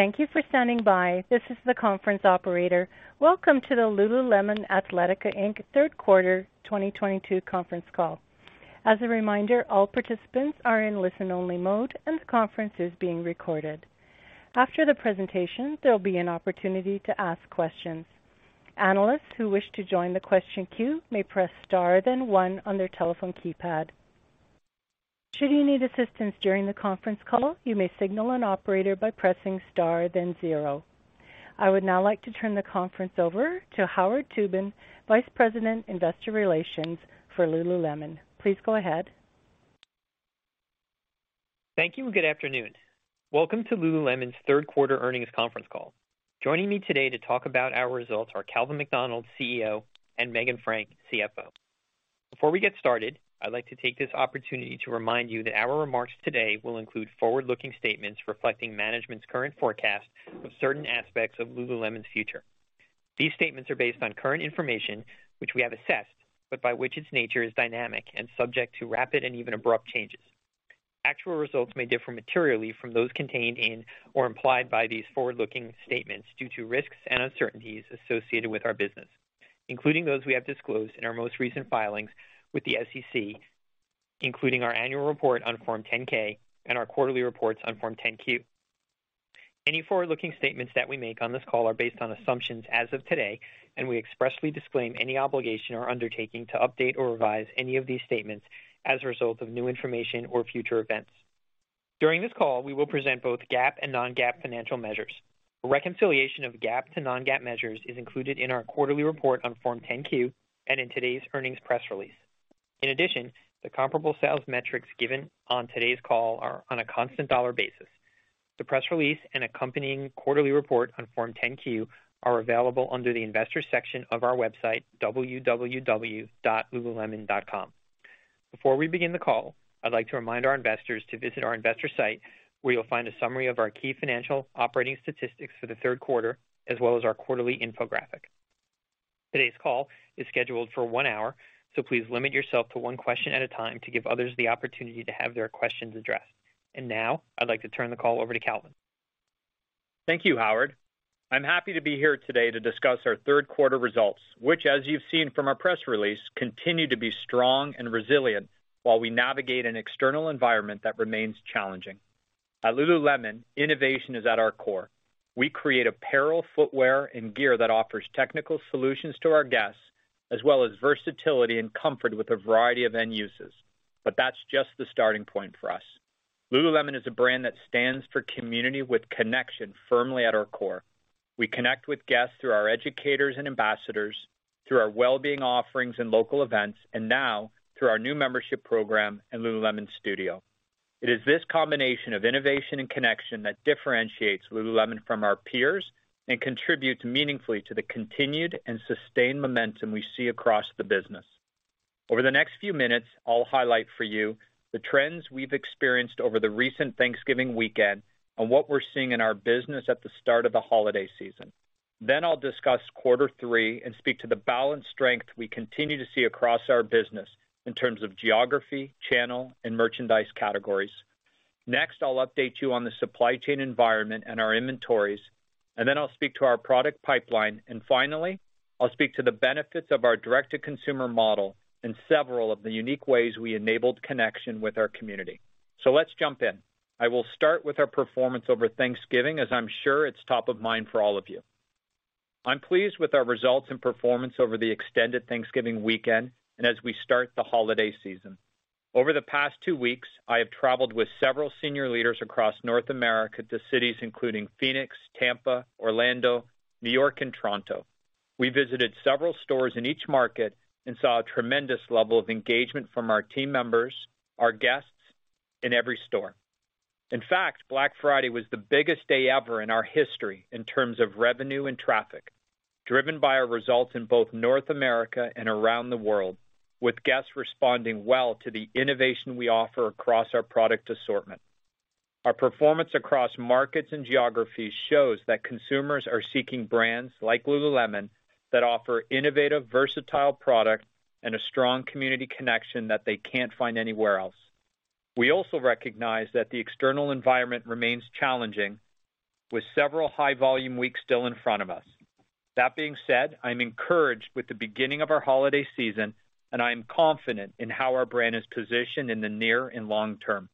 Thank you for standing by. This is the conference operator. Welcome to the Lululemon Athletica Inc. Third Quarter 2022 Conference Call. As a reminder, all participants are in listen only mode and the conference is being recorded. After the presentation, there'll be an opportunity to ask questions. Analysts who wish to join the question queue may press star then one on their telephone keypad. Should you need assistance during the conference call, you may signal an operator by pressing star then zero. I would now like to turn the conference over to Howard Tubin, Vice President, Investor Relations for Lululemon. Please go ahead. Thank you and good afternoon. Welcome to Lululemon's third quarter earnings conference call. Joining me today to talk about our results are Calvin McDonald, CEO, and Meghan Frank, CFO. Before we get started, I'd like to take this opportunity to remind you that our remarks today will include forward-looking statements reflecting management's current forecast of certain aspects of Lululemon's future. These statements are based on current information which we have assessed, but by which its nature is dynamic and subject to rapid and even abrupt changes. Actual results may differ materially from those contained in or implied by these forward-looking statements due to risks and uncertainties associated with our business, including those we have disclosed in our most recent filings with the SEC, including our annual report on Form 10-K and our quarterly reports on Form 10-Q. Any forward-looking statements that we make on this call are based on assumptions as of today, and we expressly disclaim any obligation or undertaking to update or revise any of these statements as a result of new information or future events. During this call, we will present both GAAP and non-GAAP financial measures. Reconciliation of GAAP to non-GAAP measures is included in our quarterly report on Form 10-Q and in today's earnings press release. In addition, the comparable sales metrics given on today's call are on a constant dollar basis. The press release and accompanying quarterly report on Form 10-Q are available under the Investors section of our website, www.lululemon.com. Before we begin the call, I'd like to remind our investors to visit our investor site, where you'll find a summary of our key financial operating statistics for the third quarter, as well as our quarterly infographic. Today's call is scheduled for one hour, so please limit yourself to one question at a time to give others the opportunity to have their questions addressed. Now I'd like to turn the call over to Calvin. Thank you, Howard. I'm happy to be here today to discuss our third quarter results, which, as you've seen from our press release, continue to be strong and resilient while we navigate an external environment that remains challenging. At Lululemon, innovation is at our core. We create apparel, footwear and gear that offers technical solutions to our guests, as well as versatility and comfort with a variety of end uses. That's just the starting point for us. Lululemon is a brand that stands for community with connection firmly at our core. We connect with guests through our educators and ambassadors, through our wellbeing offerings and local events, and now through our new membership program in lululemon Studio. It is this combination of innovation and connection that differentiates Lululemon from our peers and contributes meaningfully to the continued and sustained momentum we see across the business. Over the next few minutes, I'll highlight for you the trends we've experienced over the recent Thanksgiving weekend and what we're seeing in our business at the start of the holiday season. I'll discuss quarter three and speak to the balanced strength we continue to see across our business in terms of geography, channel and merchandise categories. Next, I'll update you on the supply chain environment and our inventories, and then I'll speak to our product pipeline. Finally, I'll speak to the benefits of our direct to consumer model and several of the unique ways we enabled connection with our community. Let's jump in. I will start with our performance over Thanksgiving, as I'm sure it's top of mind for all of you. I'm pleased with our results and performance over the extended Thanksgiving weekend and as we start the holiday season. Over the past two weeks, I have traveled with several senior leaders across North America to cities including Phoenix, Tampa, Orlando, New York and Toronto. We visited several stores in each market and saw a tremendous level of engagement from our team members, our guests in every store. In fact, Black Friday was the biggest day ever in our history in terms of revenue and traffic, driven by our results in both North America and around the world, with guests responding well to the innovation we offer across our product assortment. Our performance across markets and geographies shows that consumers are seeking brands like Lululemon that offer innovative, versatile product and a strong community connection that they can't find anywhere else. We also recognize that the external environment remains challenging, with several high volume weeks still in front of us. That being said, I'm encouraged with the beginning of our holiday season, I am confident in how our brand is positioned in the near and long term.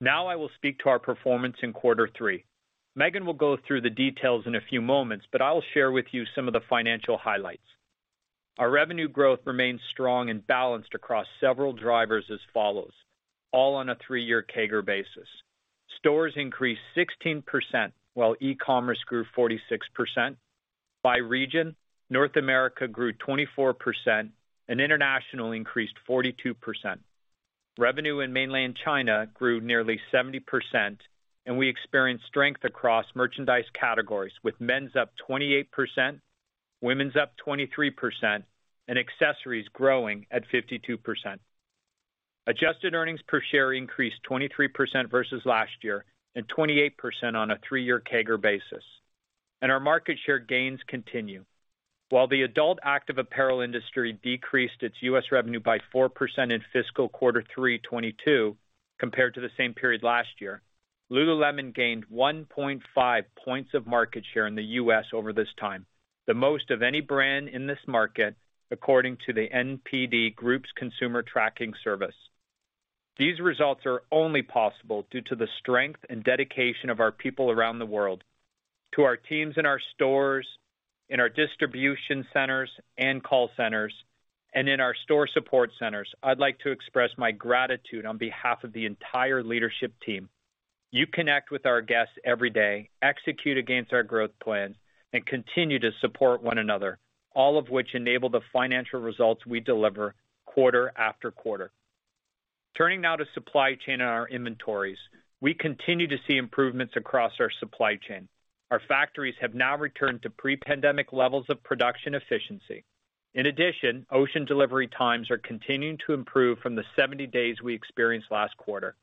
Now, I will speak to our performance in quarter three. Meghan will go through the details in a few moments, I will share with you some of the financial highlights. Our revenue growth remains strong and balanced across several drivers as follows, all on a three-year CAGR basis. Stores increased 16%, while e-commerce grew 46%. By region, North America grew 24% and international increased 42%. Revenue in Mainland China grew nearly 70%. We experienced strength across merchandise categories with men's up 28%, women's up 23%, and accessories growing at 52%. Adjusted earnings per share increased 23% versus last year and 28% on a three-year CAGR basis. Our market share gains continue. While the adult active apparel industry decreased its U.S. revenue by 4% in fiscal quarter three 2022 compared to the same period last year, Lululemon gained 1.5 points of market share in the U.S. over this time, the most of any brand in this market, according to the NPD Group's consumer tracking service. These results are only possible due to the strength and dedication of our people around the world. To our teams in our stores, in our distribution centers and call centers, and in our store support centers, I'd like to express my gratitude on behalf of the entire leadership team. You connect with our guests every day, execute against our growth plans, and continue to support one another, all of which enable the financial results we deliver quarter after quarter. Turning now to supply chain and our inventories. We continue to see improvements across our supply chain. Our factories have now returned to pre-pandemic levels of production efficiency. In addition, ocean delivery times are continuing to improve from the 70 days we experienced last quarter.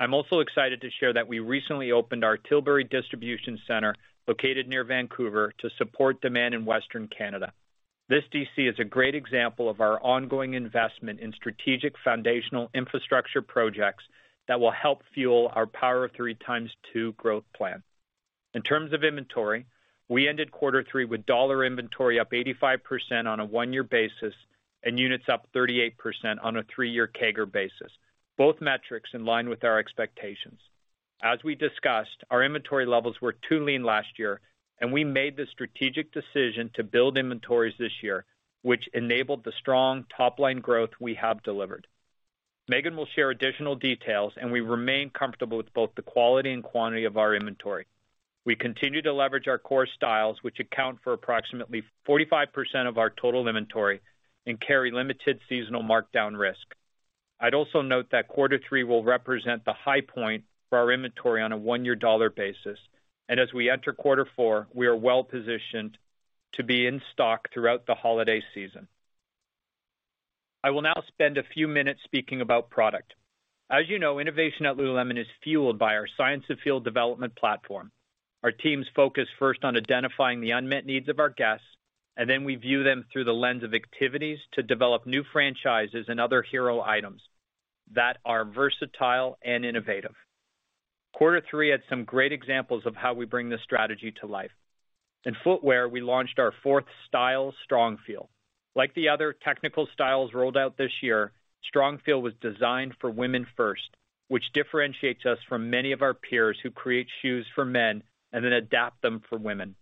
I'm also excited to share that we recently opened our Tilbury distribution center located near Vancouver to support demand in Western Canada. This DC is a great example of our ongoing investment in strategic foundational infrastructure projects that will help fuel our Power of Three x2 growth plan. In terms of inventory, we ended quarter three with dollar inventory up 85% on a one-year basis and units up 38% on a three-year CAGR basis, both metrics in line with our expectations. As we discussed, our inventory levels were too lean last year, and we made the strategic decision to build inventories this year, which enabled the strong top-line growth we have delivered. Meghan will share additional details, and we remain comfortable with both the quality and quantity of our inventory. We continue to leverage our core styles, which account for approximately 45% of our total inventory and carry limited seasonal markdown risk. I'd also note that quarter three will represent the high point for our inventory on a one-year dollar basis. As we enter quarter four, we are well-positioned to be in stock throughout the holiday season. I will now spend a few minutes speaking about product. As you know, innovation at Lululemon is fueled by our Science of Feel development platform. Our teams focus first on identifying the unmet needs of our guests, and then we view them through the lens of activities to develop new franchises and other hero items that are versatile and innovative. Quarter three had some great examples of how we bring this strategy to life. In footwear, we launched our fourth style, Strongfeel. Like the other technical styles rolled out this year, Strongfeel was designed for women first, which differentiates us from many of our peers who create shoes for men and then adapt them for women.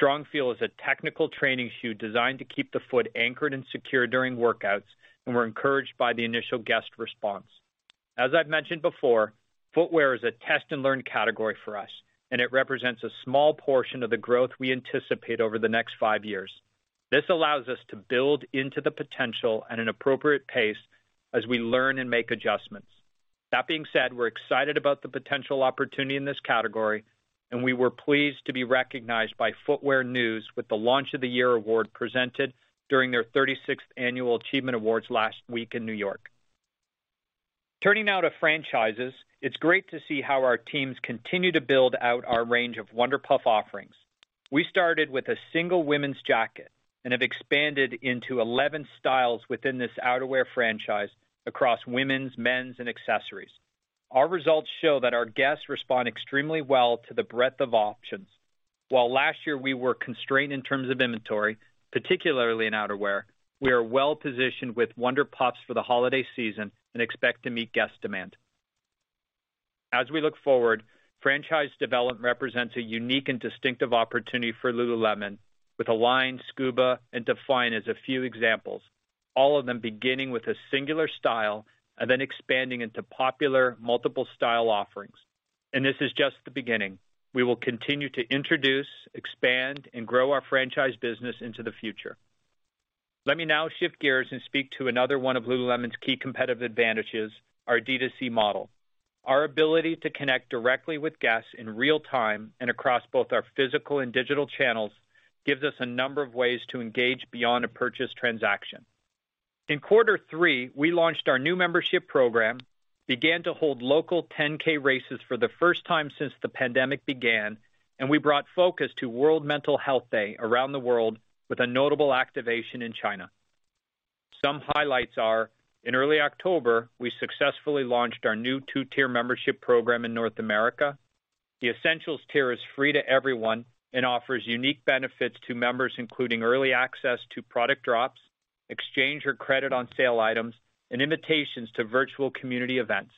Strongfeel is a technical training shoe designed to keep the foot anchored and secure during workouts, and we're encouraged by the initial guest response. As I've mentioned before, footwear is a test and learn category for us, and it represents a small portion of the growth we anticipate over the next five years. This allows us to build into the potential at an appropriate pace as we learn and make adjustments. That being said, we're excited about the potential opportunity in this category, and we were pleased to be recognized by Footwear News with the Launch of the Year award presented during their 36th Annual Achievement Awards last week in New York. Turning now to franchises. It's great to see how our teams continue to build out our range of Wunder Puff offerings. We started with a single women's jacket and have expanded into 11 styles within this outerwear franchise across women's, men's, and accessories. Our results show that our guests respond extremely well to the breadth of options. While last year we were constrained in terms of inventory, particularly in outerwear, we are well-positioned with Wunder Puffs for the holiday season and expect to meet guest demand. As we look forward, franchise development represents a unique and distinctive opportunity for Lululemon with Align, Scuba, and Define as a few examples, all of them beginning with a singular style and then expanding into popular multiple style offerings. This is just the beginning. We will continue to introduce, expand, and grow our franchise business into the future. Let me now shift gears and speak to another one of Lululemon's key competitive advantages, our D2C model. Our ability to connect directly with guests in real time and across both our physical and digital channels gives us a number of ways to engage beyond a purchase transaction. In quarter three, we launched our new membership program, began to hold local 10K races for the first time since the pandemic began, and we brought focus to World Mental Health Day around the world with a notable activation in China. Some highlights are, in early October, we successfully launched our new two-tier membership program in North America. The Essentials tier is free to everyone and offers unique benefits to members, including early access to product drops, exchange or credit on sale items, and invitations to virtual community events.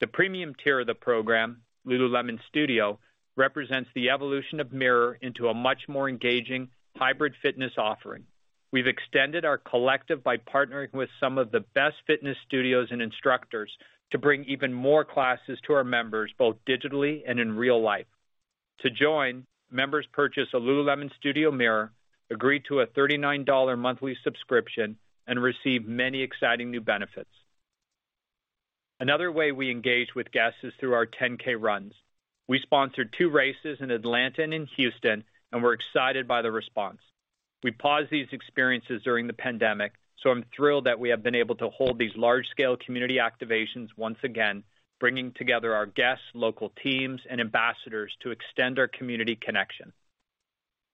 The premium tier of the program, lululemon Studio, represents the evolution of MIRROR into a much more engaging hybrid fitness offering. We've extended our collective by partnering with some of the best fitness studios and instructors to bring even more classes to our members, both digitally and in real life. To join, members purchase a lululemon Studio Mirror, agree to a $39 monthly subscription, and receive many exciting new benefits. Another way we engage with guests is through our 10K runs. We sponsored two races in Atlanta and in Houston, and we're excited by the response. We paused these experiences during the pandemic, so I'm thrilled that we have been able to hold these large-scale community activations once again, bringing together our guests, local teams, and ambassadors to extend our community connection.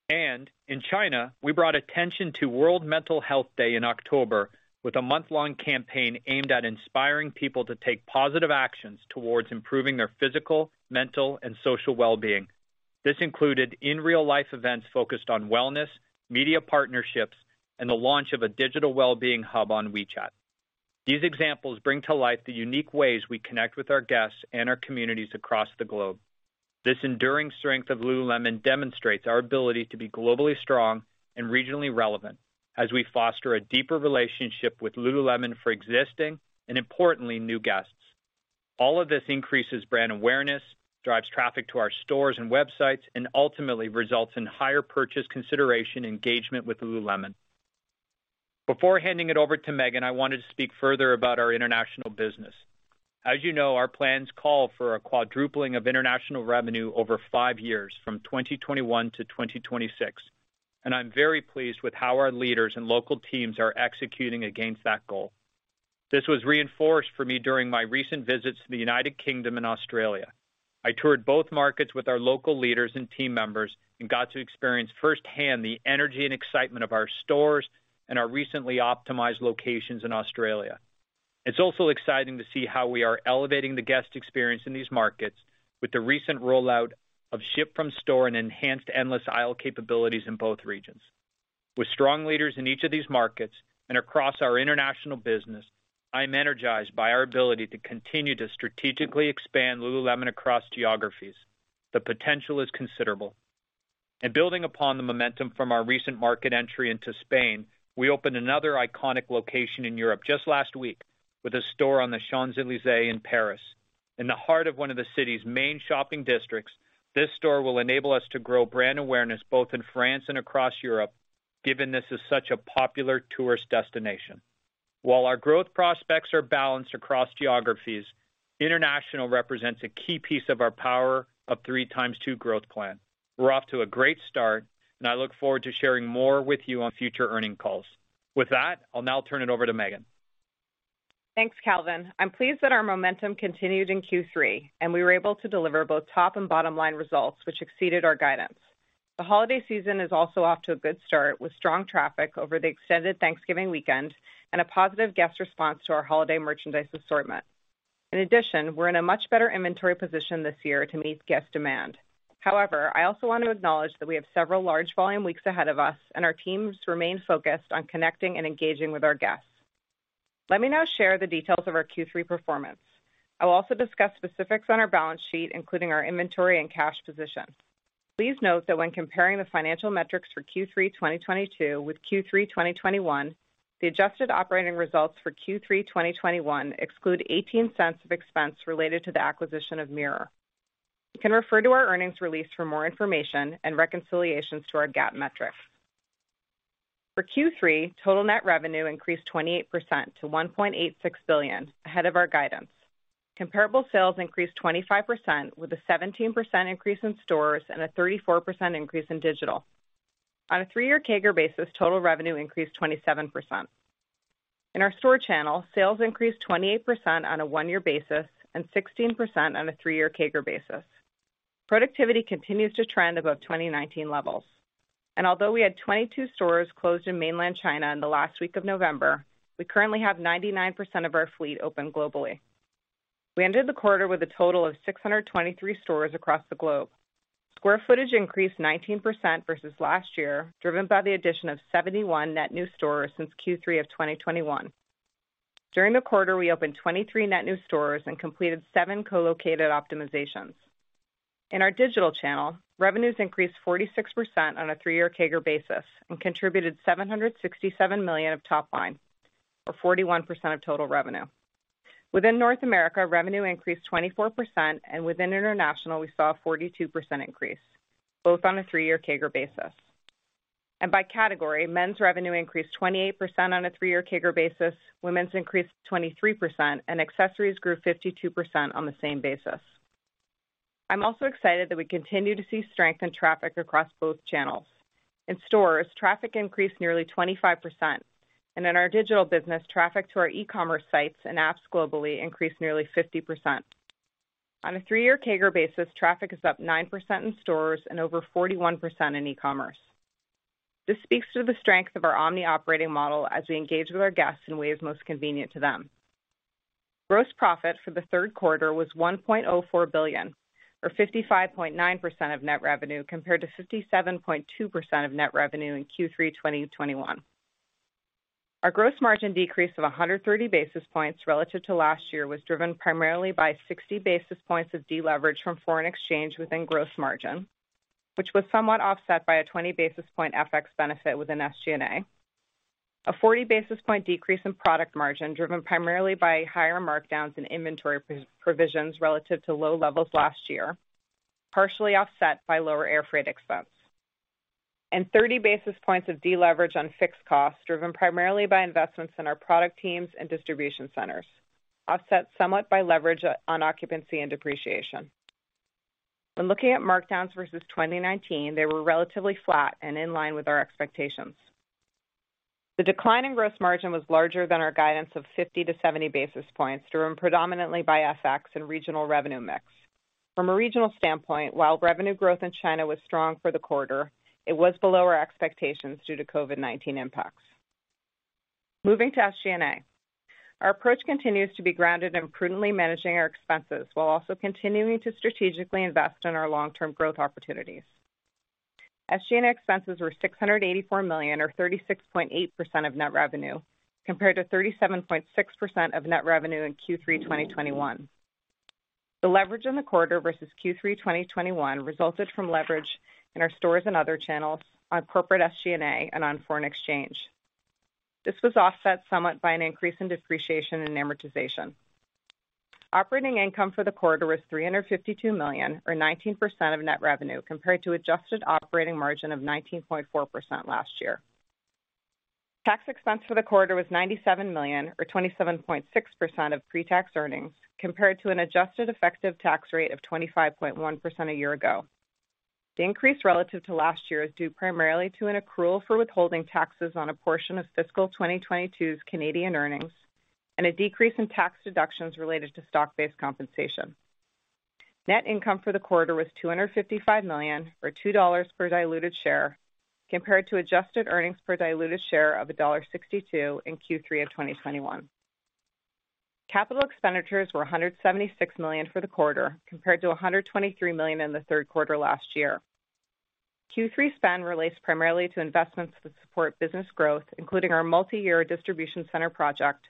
In China, we brought attention to World Mental Health Day in October with a month-long campaign aimed at inspiring people to take positive actions towards improving their physical, mental, and social wellbeing. This included in-real-life events focused on wellness, media partnerships, and the launch of a digital wellbeing hub on WeChat. These examples bring to life the unique ways we connect with our guests and our communities across the globe. This enduring strength of Lululemon demonstrates our ability to be globally strong and regionally relevant as we foster a deeper relationship with Lululemon for existing and, importantly, new guests. All of this increases brand awareness, drives traffic to our stores and websites, and ultimately results in higher purchase consideration engagement with Lululemon. Before handing it over to Meghan, I wanted to speak further about our international business. As you know, our plans call for a quadrupling of international revenue over five years from 2021-2026, and I'm very pleased with how our leaders and local teams are executing against that goal. This was reinforced for me during my recent visits to the United Kingdom and Australia. I toured both markets with our local leaders and team members and got to experience firsthand the energy and excitement of our stores and our recently optimized locations in Australia. It's also exciting to see how we are elevating the guest experience in these markets with the recent rollout of ship from store and enhanced endless aisle capabilities in both regions. With strong leaders in each of these markets and across our international business, I am energized by our ability to continue to strategically expand Lululemon across geographies. The potential is considerable. Building upon the momentum from our recent market entry into Spain, we opened another iconic location in Europe just last week with a store on the Champs-Élysées in Paris. In the heart of one of the city's main shopping districts, this store will enable us to grow brand awareness both in France and across Europe, given this is such a popular tourist destination. While our growth prospects are balanced across geographies, international represents a key piece of our Power of Three x2 growth plan. We're off to a great start, and I look forward to sharing more with you on future earning calls. With that, I'll now turn it over to Meghan. Thanks, Calvin. I'm pleased that our momentum continued in Q3, and we were able to deliver both top and bottom-line results which exceeded our guidance. The holiday season is also off to a good start with strong traffic over the extended Thanksgiving weekend and a positive guest response to our holiday merchandise assortment. In addition, we're in a much better inventory position this year to meet guest demand. However, I also want to acknowledge that we have several large volume weeks ahead of us, and our teams remain focused on connecting and engaging with our guests. Let me now share the details of our Q3 performance. I will also discuss specifics on our balance sheet, including our inventory and cash position. Please note that when comparing the financial metrics for Q3 2022 with Q3 2021, the adjusted operating results for Q3 2021 exclude $0.18 of expense related to the acquisition of MIRROR. You can refer to our earnings release for more information and reconciliations to our GAAP metrics. For Q3, total net revenue increased 28% to $1.86 billion, ahead of our guidance. Comparable sales increased 25%, with a 17% increase in stores and a 34% increase in digital. On a three-year CAGR basis, total revenue increased 27%. In our store channel, sales increased 28% on a one-year basis and 16% on a three-year CAGR basis. Productivity continues to trend above 2019 levels. Although we had 22 stores closed in Mainland China in the last week of November, we currently have 99% of our fleet open globally. We ended the quarter with a total of 623 stores across the globe. Square footage increased 19% versus last year, driven by the addition of 71 net new stores since Q3 of 2021. During the quarter, we opened 23 net new stores and completed seven co-located optimizations. In our digital channel, revenues increased 46% on a three-year CAGR basis and contributed $767 million of top line or 41% of total revenue. Within North America, revenue increased 24%, and within international, we saw a 42% increase, both on a three-year CAGR basis. By category, men's revenue increased 28% on a three-year CAGR basis, women's increased 23%, and accessories grew 52% on the same basis. I'm also excited that we continue to see strength in traffic across both channels. In stores, traffic increased nearly 25%, and in our digital business, traffic to our e-commerce sites and apps globally increased nearly 50%. On a three-year CAGR basis, traffic is up 9% in stores and over 41% in e-commerce. This speaks to the strength of our omni operating model as we engage with our guests in ways most convenient to them. Gross profit for the third quarter was $1.04 billion or 55.9% of net revenue compared to 57.2% of net revenue in Q3 2021. Our gross margin decrease of 130 basis points relative to last year was driven primarily by 60 basis points of deleverage from foreign exchange within gross margin, which was somewhat offset by a 20 basis point FX benefit within SG&A. A 40 basis point decrease in product margin, driven primarily by higher markdowns in inventory provisions relative to low levels last year, partially offset by lower air freight expense. 30 basis points of deleverage on fixed costs, driven primarily by investments in our product teams and distribution centers, offset somewhat by leverage on occupancy and depreciation. When looking at markdowns versus 2019, they were relatively flat and in line with our expectations. The decline in gross margin was larger than our guidance of 50-70 basis points, driven predominantly by FX and regional revenue mix. From a regional standpoint, while revenue growth in China was strong for the quarter, it was below our expectations due to COVID-19 impacts. Moving to SG&A. Our approach continues to be grounded in prudently managing our expenses while also continuing to strategically invest in our long-term growth opportunities. SG&A expenses were $684 million or 36.8% of net revenue, compared to 37.6% of net revenue in Q3 2021. The leverage in the quarter versus Q3 2021 resulted from leverage in our stores and other channels on corporate SG&A and on foreign exchange. This was offset somewhat by an increase in depreciation and amortization. Operating income for the quarter was $352 million or 19% of net revenue, compared to adjusted operating margin of 19.4% last year. Tax expense for the quarter was $97 million or 27.6% of pre-tax earnings, compared to an adjusted effective tax rate of 25.1% a year ago. The increase relative to last year is due primarily to an accrual for withholding taxes on a portion of fiscal 2022's Canadian earnings and a decrease in tax deductions related to stock-based compensation. Net income for the quarter was $255 million or $2 per diluted share, compared to adjusted earnings per diluted share of $1.62 in Q3 of 2021. Capital expenditures were $176 million for the quarter, compared to $123 million in the third quarter last year. Q3 spend relates primarily to investments to support business growth, including our multi-year distribution center project,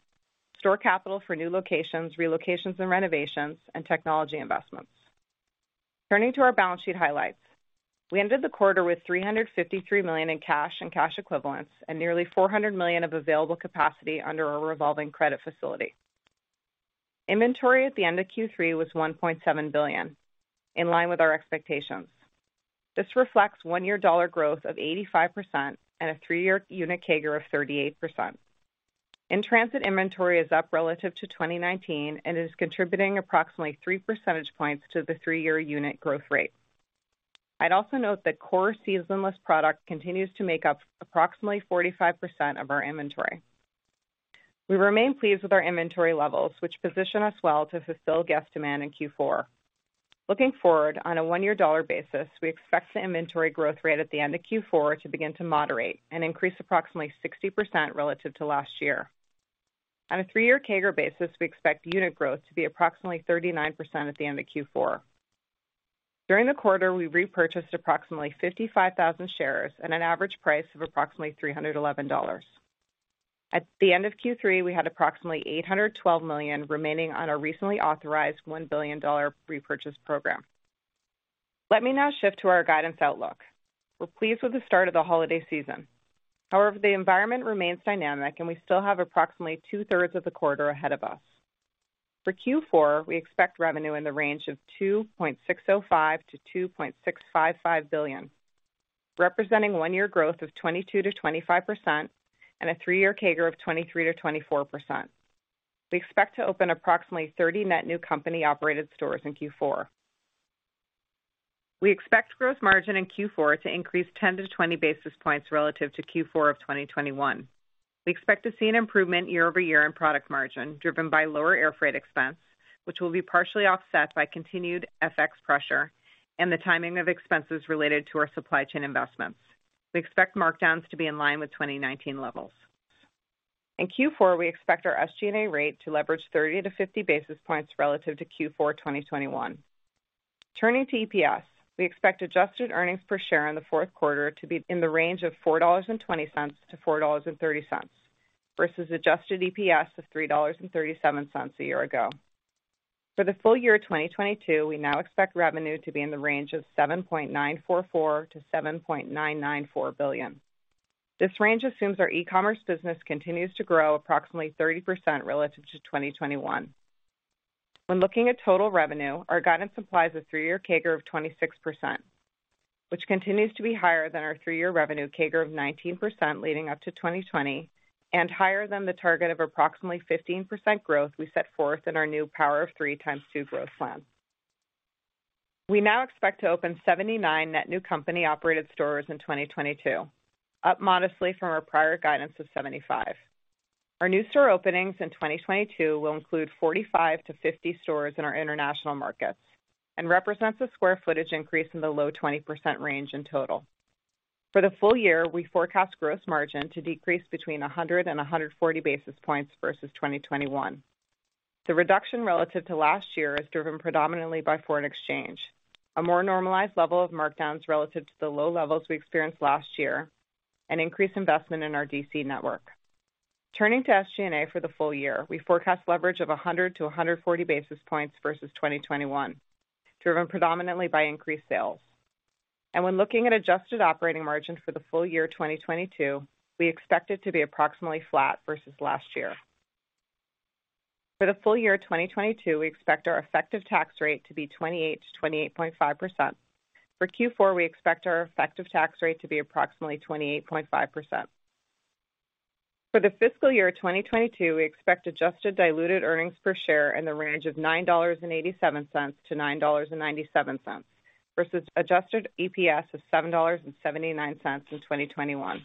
store capital for new locations, relocations and renovations, and technology investments. Turning to our balance sheet highlights. We ended the quarter with $353 million in cash and cash equivalents, and nearly $400 million of available capacity under our revolving credit facility. Inventory at the end of Q3 was $1.7 billion, in line with our expectations. This reflects one year dollar growth of 85% and a three-year unit CAGR of 38%. In-transit inventory is up relative to 2019 and is contributing approximately 3 percentage points to the three-year unit growth rate. I'd also note that core seasonless product continues to make up approximately 45% of our inventory. We remain pleased with our inventory levels, which position us well to fulfill guest demand in Q4. Looking forward, on a one-year dollar basis, we expect the inventory growth rate at the end of Q4 to begin to moderate and increase approximately 60% relative to last year. On a three-year CAGR basis, we expect unit growth to be approximately 39% at the end of Q4. During the quarter, we repurchased approximately 55,000 shares at an average price of approximately $311. At the end of Q3, we had approximately $812 million remaining on our recently authorized $1 billion repurchase program. Let me now shift to our guidance outlook. We're pleased with the start of the holiday season. However, the environment remains dynamic, and we still have approximately two-thirds of the quarter ahead of us. For Q4, we expect revenue in the range of $2.605 billion-$2.655 billion, representing one-year growth of 22%-25% and a three-year CAGR of 23%-24%. We expect to open approximately 30 net new company-operated stores in Q4. We expect gross margin in Q4 to increase 10-20 basis points relative to Q4 of 2021. We expect to see an improvement year-over-year in product margin driven by lower airfreight expense, which will be partially offset by continued FX pressure and the timing of expenses related to our supply chain investments. We expect markdowns to be in line with 2019 levels. In Q4, we expect our SG&A rate to leverage 30-50 basis points relative to Q4 2021. Turning to EPS, we expect adjusted earnings per share in the fourth quarter to be in the range of $4.20-$4.30 versus adjusted EPS of $3.37 a year ago. For the full year 2022, we now expect revenue to be in the range of $7.944 billion-$7.994 billion. This range assumes our e-commerce business continues to grow approximately 30% relative to 2021. When looking at total revenue, our guidance implies a three-year CAGR of 26%, which continues to be higher than our three-year revenue CAGR of 19% leading up to 2020 and higher than the target of approximately 15% growth we set forth in our new Power of Three x2 growth plan. We now expect to open 79 net new company-operated stores in 2022, up modestly from our prior guidance of 75. Our new store openings in 2022 will include 45-50 stores in our international markets and represents a square footage increase in the low 20% range in total. For the full year, we forecast gross margin to decrease between 100 and 140 basis points versus 2021. The reduction relative to last year is driven predominantly by foreign exchange, a more normalized level of markdowns relative to the low levels we experienced last year, and increased investment in our DC network. Turning to SG&A for the full year, we forecast leverage of 100-140 basis points versus 2021, driven predominantly by increased sales. When looking at adjusted operating margin for the full year 2022, we expect it to be approximately flat versus last year. For the full year 2022, we expect our effective tax rate to be 28%-28.5%. For Q4, we expect our effective tax rate to be approximately 28.5%. For the fiscal year 2022, we expect adjusted diluted earnings per share in the range of $9.87-$9.97 versus adjusted EPS of $7.79 in 2021.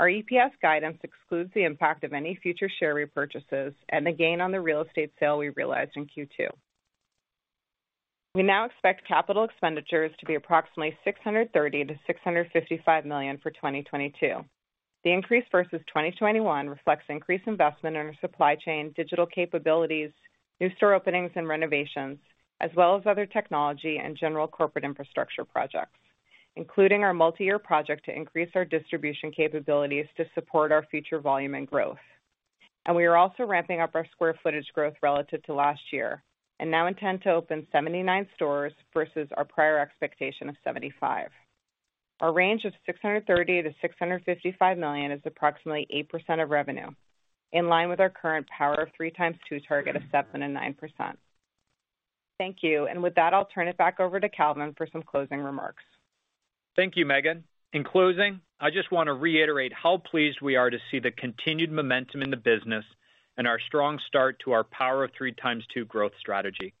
Our EPS guidance excludes the impact of any future share repurchases and the gain on the real estate sale we realized in Q2. We now expect capital expenditures to be approximately $630 million-$655 million for 2022. The increase versus 2021 reflects increased investment in our supply chain, digital capabilities, new store openings and renovations, as well as other technology and general corporate infrastructure projects, including our multi-year project to increase our distribution capabilities to support our future volume and growth. We are also ramping up our square footage growth relative to last year and now intend to open 79 stores versus our prior expectation of 75. Our range of $630 million-$655 million is approximately 8% of revenue, in line with our current Power of Three x2 target of 7%-9%. Thank you. With that, I'll turn it back over to Calvin for some closing remarks. Thank you, Meghan. In closing, I just wanna reiterate how pleased we are to see the continued momentum in the business and our strong start to our Power of Three x2 growth strategy.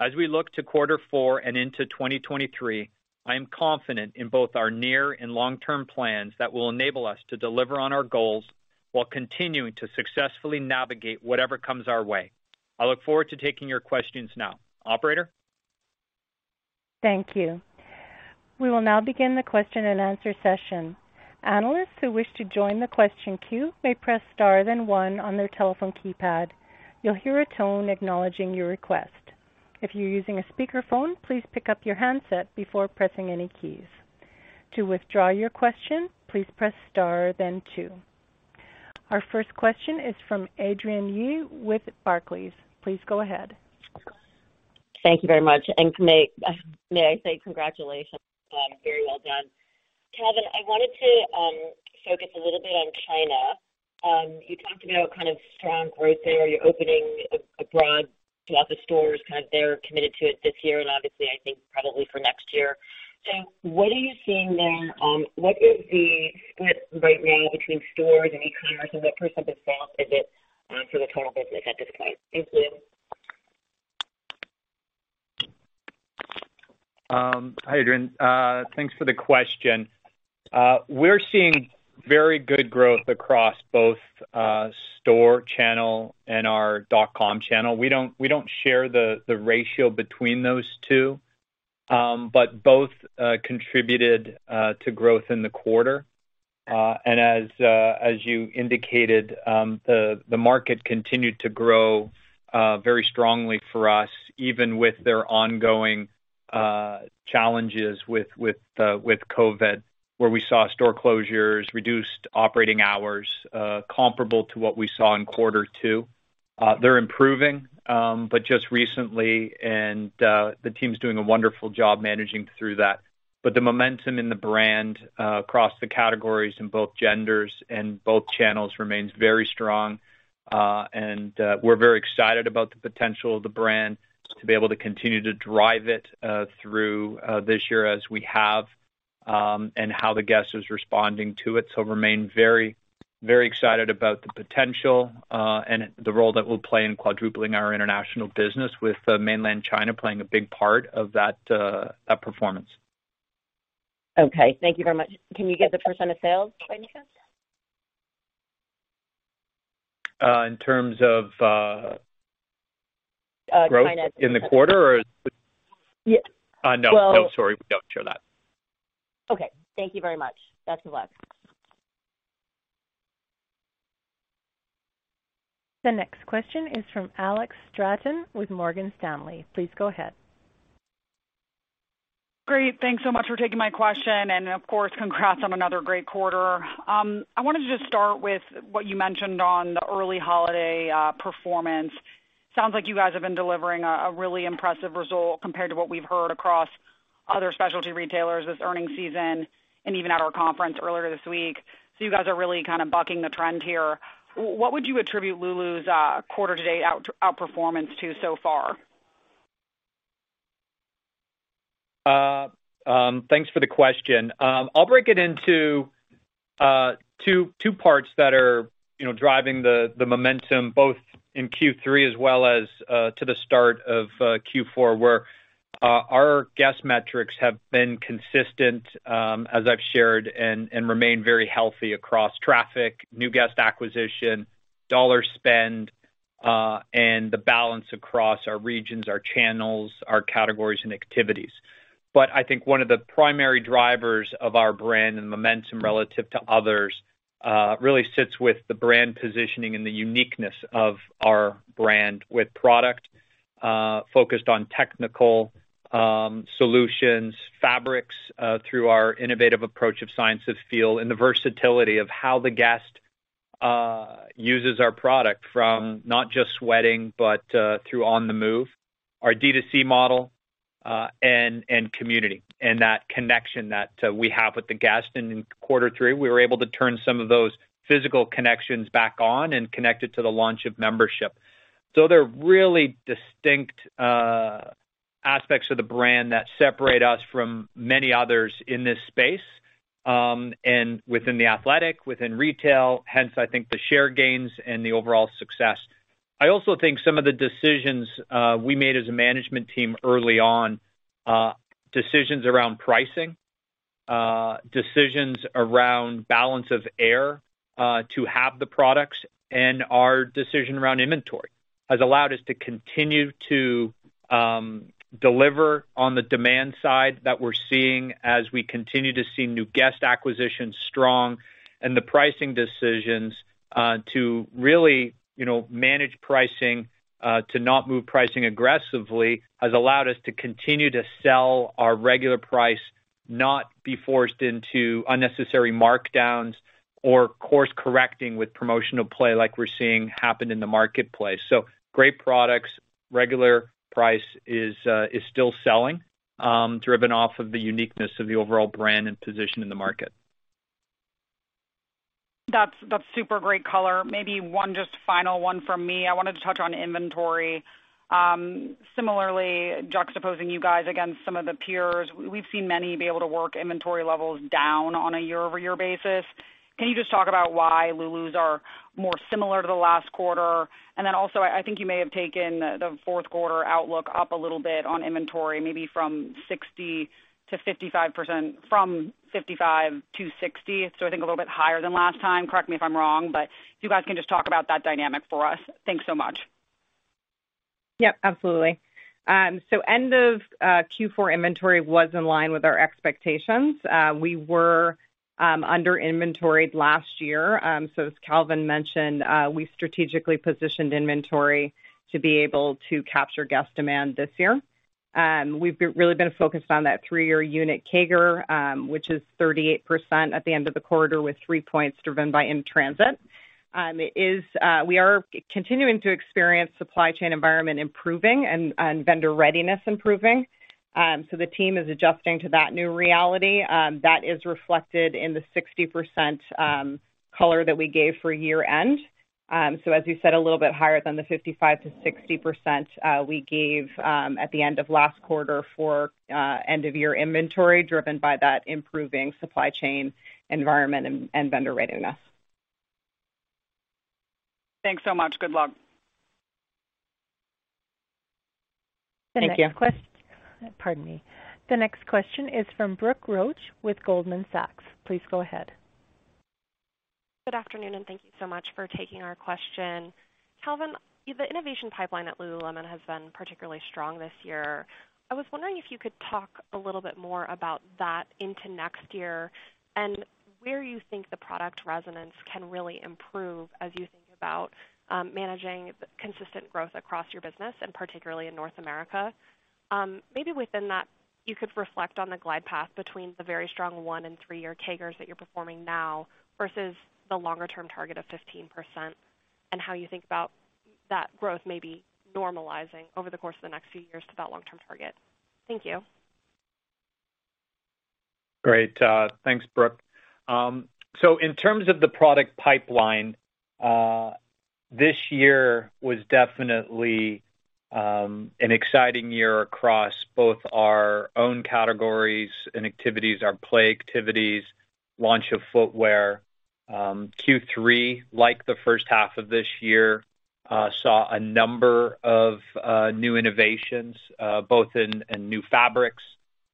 As we look to quarter four and into 2023, I am confident in both our near and long-term plans that will enable us to deliver on our goals while continuing to successfully navigate whatever comes our way. I look forward to taking your questions now. Operator? Thank you. We will now begin the question and answer session. Analysts who wish to join the question queue may press star then one on their telephone keypad. You'll hear a tone acknowledging your request. If you're using a speakerphone, please pick up your handset before pressing any keys. To withdraw your question, please press star then two. Our first question is from Adrienne Yih with Barclays. Please go ahead. Thank you very much. May I say congratulations. Very well done. Calvin, I wanted to focus a little bit on China. You talked about kind of strong growth there. You're opening abroad lots of stores, kind of there committed to it this year and obviously I think probably for next year. What are you seeing there? What is the split right now between stores and e-commerce, and what percent of sales is it for the total business at this point? Thank you. Hi, Adrienne. Thanks for the question. We're seeing very good growth across both store channel and our dot com channel. We don't share the ratio between those two, but both contributed to growth in the quarter. As you indicated, the market continued to grow very strongly for us, even with their ongoing challenges with COVID, where we saw store closures, reduced operating hours, comparable to what we saw in quarter two. They're improving, but just recently, and the team's doing a wonderful job managing through that. The momentum in the brand, across the categories in both genders and both channels remains very strong, and we're very excited about the potential of the brand to be able to continue to drive it through this year as we have, and how the guest is responding to it. Remain very, very excited about the potential, and the role that we'll play in quadrupling our international business with Mainland China playing a big part of that performance. Okay. Thank you very much. Can you give the percent of sales by any chance? In terms of China.... growth in the quarter? Yeah. No. Sorry. We don't share that. Okay. Thank you very much. Best of luck. The next question is from Alex Straton with Morgan Stanley. Please go ahead. Great. Thanks so much for taking my question, and of course, congrats on another great quarter. I wanted to just start with what you mentioned on the early holiday performance. Sounds like you guys have been delivering a really impressive result compared to what we've heard across other specialty retailers this earning season and even at our conference earlier this week. You guys are really kind of bucking the trend here. What would you attribute Lulu's quarter to date outperformance to so far? Thanks for the question. I'll break it into two parts that are, you know, driving the momentum both in Q3 as well as to the start of Q4, where our guest metrics have been consistent, as I've shared, and remain very healthy across traffic, new guest acquisition, dollar spend, and the balance across our regions, our channels, our categories and activities. I think one of the primary drivers of our brand and momentum relative to others, really sits with the brand positioning and the uniqueness of our brand with product focused on technical solutions, fabrics, through our innovative approach of Science of Feel, and the versatility of how the guest uses our product from not just sweating, but through on the move, our D2C model, and community, and that connection that we have with the guest. In quarter three, we were able to turn some of those physical connections back on and connect it to the launch of membership. They're really distinct aspects of the brand that separate us from many others in this space, and within the athletic, within retail, hence I think the share gains and the overall success. I also think some of the decisions, we made as a management team early on, decisions around pricing, decisions around balance of air, to have the products, and our decision around inventory has allowed us to continue to deliver on the demand side that we're seeing as we continue to see new guest acquisition strong. The pricing decisions, to really, you know, manage pricing, to not move pricing aggressively has allowed us to continue to sell our regular price, not be forced into unnecessary markdowns or course correcting with promotional play like we're seeing happen in the marketplace. Great products. Regular price is still selling, driven off of the uniqueness of the overall brand and position in the market. That's super great color. Maybe one just final one from me. I wanted to touch on inventory. Similarly juxtaposing you guys against some of the peers, we've seen many be able to work inventory levels down on a year-over-year basis. Can you just talk about why Lulu's are more similar to the last quarter? Also, I think you may have taken the fourth quarter outlook up a little bit on inventory, maybe from 55%-60%. I think a little bit higher than last time. Correct me if I'm wrong, but if you guys can just talk about that dynamic for us. Thanks so much. Yep, absolutely. End of Q4 inventory was in line with our expectations. We were under inventoried last year. As Calvin mentioned, we strategically positioned inventory to be able to capture guest demand this year. We've really focused on that three-year unit CAGR, which is 38% at the end of the quarter, with 3 points driven by in-transit. We are continuing to experience supply chain environment improving and vendor readiness improving. The team is adjusting to that new reality. That is reflected in the 60% color that we gave for year-end. As you said, a little bit higher than the 55%-60%, we gave at the end of last quarter for end-of-year inventory driven by that improving supply chain environment and vendor readiness. Thanks so much. Good luck. Thank you. Pardon me. The next question is from Brooke Roach with Goldman Sachs. Please go ahead. Good afternoon, and thank you so much for taking our question. Calvin, the innovation pipeline at Lululemon has been particularly strong this year. I was wondering if you could talk a little bit more about that into next year and where you think the product resonance can really improve as you think about managing consistent growth across your business, and particularly in North America. Maybe within that, you could reflect on the glide path between the very strong one and three-year CAGRs that you're performing now versus the longer-term target of 15%, and how you think about that growth maybe normalizing over the course of the next few years to that long-term target. Thank you. Great. Thanks, Brooke. In terms of the product pipeline, this year was definitely an exciting year across both our own categories and activities, our play activities, launch of footwear. Q3, like the first half of this year, saw a number of new innovations, both in new fabrics,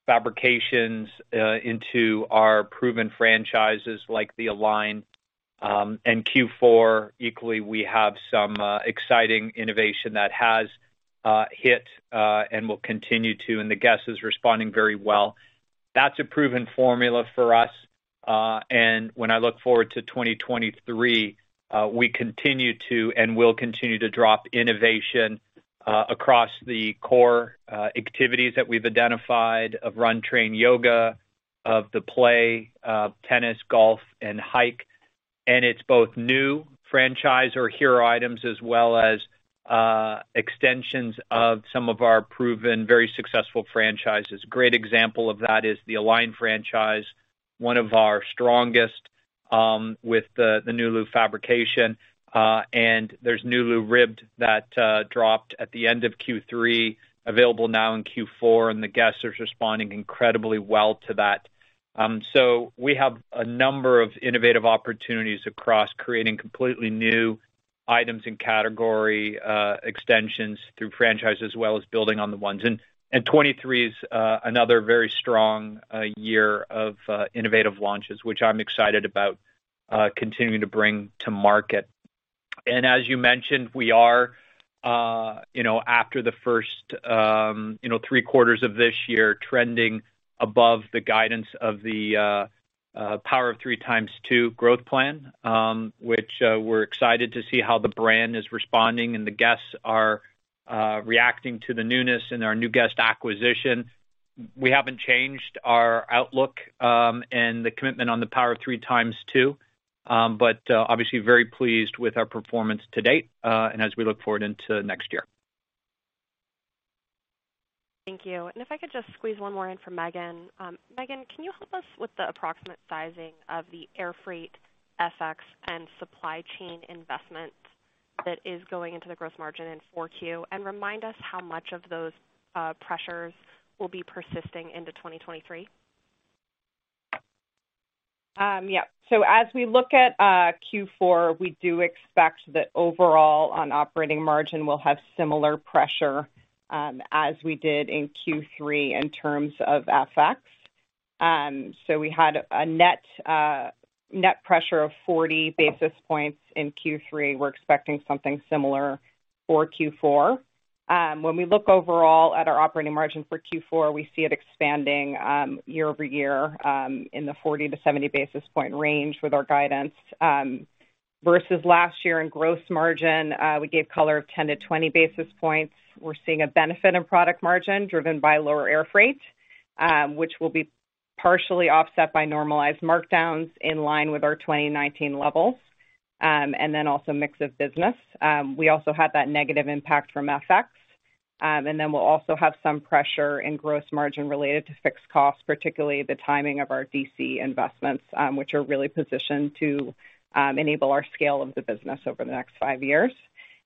fabrications, into our proven franchises like the Align. Q4, equally, we have some exciting innovation that has hit and will continue to, and the guest is responding very well. That's a proven formula for us. When I look forward to 2023, we continue to and will continue to drop innovation across the core activities that we've identified of run, train, yoga, of the play, tennis, golf, and hike. It's both new franchise or hero items, as well as, extensions of some of our proven, very successful franchises. Great example of that is the Align franchise, one of our strongest, with the Nulu fabrication. There's Nulu Ribbed that dropped at the end of Q3, available now in Q4, and the guest is responding incredibly well to that. We have a number of innovative opportunities across creating completely new items and category, extensions through franchise as well as building on the ones. 2023 is another very strong year of innovative launches, which I'm excited about, continuing to bring to market. As you mentioned, we are, you know, after the first, you know, three quarters of this year trending above the guidance of the Power of Three x2 growth plan, which we're excited to see how the brand is responding and the guests are reacting to the newness and our new guest acquisition. We haven't changed our outlook, and the commitment on the Power of Three x2. Obviously very pleased with our performance to date, and as we look forward into next year. Thank you. If I could just squeeze one more in for Meghan. Meghan, can you help us with the approximate sizing of the air freight, FX, and supply chain investments? That is going into the gross margin in 4Q. Remind us how much of those pressures will be persisting into 2023? As we look at Q4, we do expect that overall on operating margin, we'll have similar pressure as we did in Q3 in terms of FX. We had a net, net pressure of 40 basis points in Q3. We're expecting something similar for Q4. When we look overall at our operating margin for Q4, we see it expanding year-over-year in the 40-70 basis point range with our guidance. Versus last year in gross margin, we gave color of 10-20 basis points. We're seeing a benefit in product margin driven by lower air freight, which will be partially offset by normalized markdowns in line with our 2019 levels, and then also mix of business. We also had that negative impact from FX. We'll also have some pressure in gross margin related to fixed costs, particularly the timing of our DC investments, which are really positioned to enable our scale of the business over the next five years.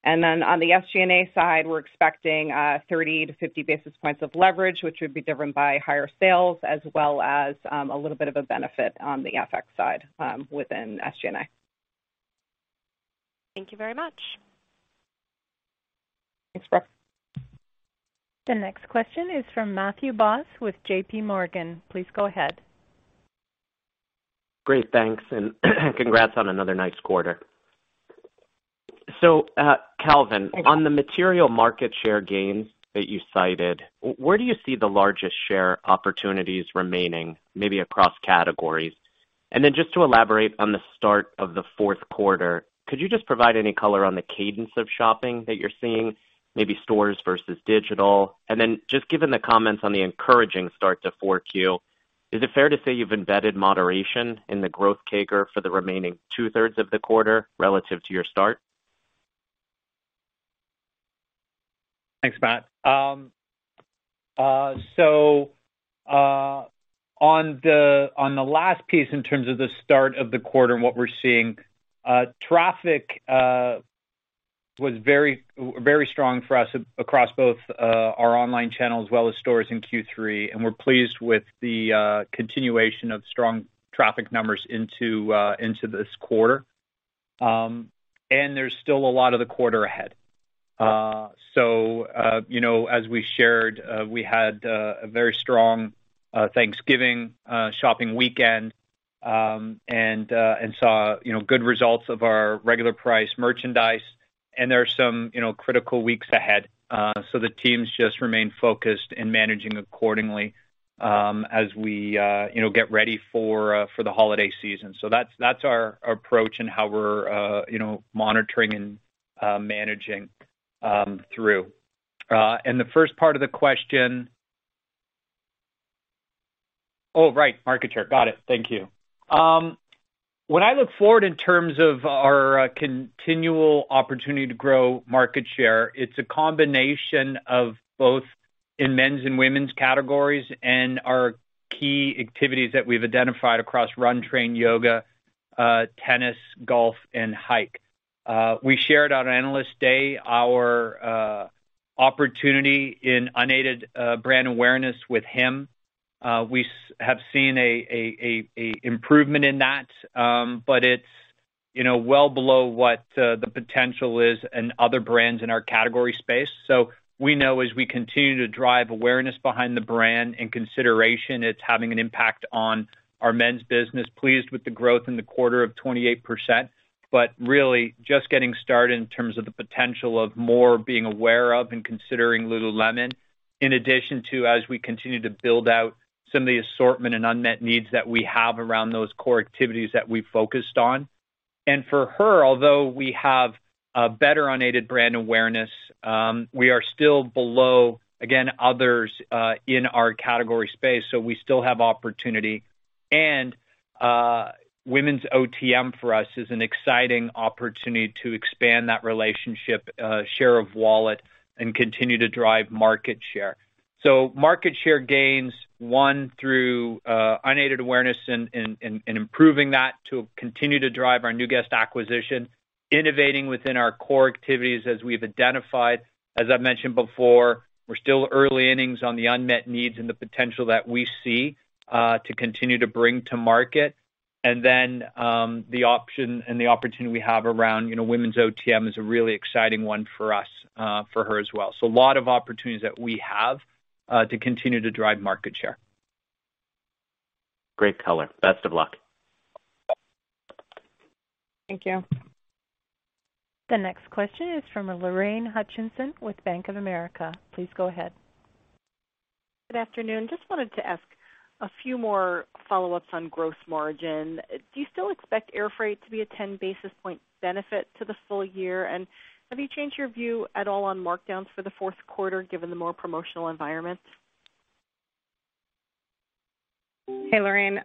On the SG&A side, we're expecting 30-50 basis points of leverage, which would be driven by higher sales as well as a little bit of a benefit on the FX side within SG&A. Thank you very much. Thanks, Brooke. The next question is from Matthew Boss with JPMorgan. Please go ahead. Great. Thanks. Congrats on another nice quarter. Calvin, on the material market share gains that you cited, where do you see the largest share opportunities remaining, maybe across categories? Just to elaborate on the start of the fourth quarter, could you just provide any color on the cadence of shopping that you're seeing, maybe stores versus digital? Just given the comments on the encouraging start to 4Q, is it fair to say you've embedded moderation in the growth CAGR for the remaining two-thirds of the quarter relative to your start? Thanks, Matt. On the last piece in terms of the start of the quarter and what we're seeing, traffic was very, very strong for us across both, our online channel as well as stores in Q3, and we're pleased with the continuation of strong traffic numbers into this quarter. There's still a lot of the quarter ahead. You know, as we shared, we had a very strong Thanksgiving shopping weekend, and saw, you know, good results of our regular price merchandise. There are some, you know, critical weeks ahead. The teams just remain focused in managing accordingly, as we, you know, get ready for the holiday season. That's, that's our approach and how we're, you know, monitoring and managing through. The first part of the question... Right. Market share. Got it. Thank you. When I look forward in terms of our continual opportunity to grow market share, it's a combination of both in men's and women's categories and our key activities that we've identified across run, train, yoga, tennis, golf, and hike. We shared on Analyst Day our opportunity in unaided brand awareness with him. We have seen a improvement in that, but it's, you know, well below what the potential is in other brands in our category space. We know as we continue to drive awareness behind the brand and consideration, it's having an impact on our men's business. Pleased with the growth in the quarter of 28%. Really just getting started in terms of the potential of more being aware of and considering Lululemon, in addition to as we continue to build out some of the assortment and unmet needs that we have around those core activities that we focused on. For her, although we have a better unaided brand awareness, we are still below, again, others in our category space, so we still have opportunity. Women's OTM for us is an exciting opportunity to expand that relationship, share of wallet and continue to drive market share. Market share gains, one, through unaided awareness and improving that to continue to drive our new guest acquisition, innovating within our core activities as we've identified. As I mentioned before, we're still early innings on the unmet needs and the potential that we see to continue to bring to market. The option and the opportunity we have around, you know, women's OTM is a really exciting one for us for her as well. A lot of opportunities that we have to continue to drive market share. Great color. Best of luck. Thank you. The next question is from Lorraine Hutchinson with Bank of America. Please go ahead. Good afternoon. Just wanted to ask a few more follow-ups on gross margin. Do you still expect air freight to be a 10 basis point benefit to the full year? Have you changed your view at all on markdowns for the fourth quarter, given the more promotional environment? Hey, Lorraine.